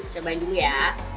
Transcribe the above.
cobain dulu ya